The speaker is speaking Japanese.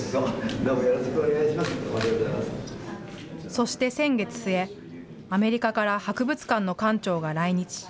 そして先月末、アメリカから博物館の館長が来日。